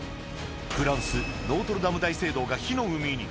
フランス・ノートルダム大聖堂が火の海に。